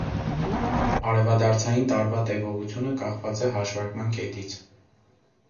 Արևադարձային տարվա տևողությունը կախված է հաշվարկման կետից։